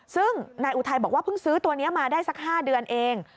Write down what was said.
ซึ่งนายอุทัยบอกว่าเพิ่งซื้อตัวนี้มาได้สัก๕เดือนเอง